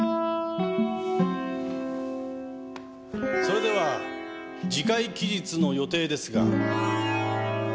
それでは次回期日の予定ですが。